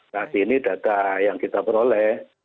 saat ini data yang kita peroleh